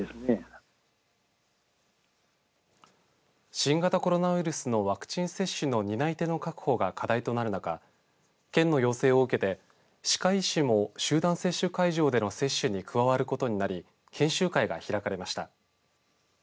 新型コロナウイルスのワクチン接種の担い手の確保が課題となる中県の要請を受けて歯科医師も接種会場での接種に加わることになり研修会が開かれました。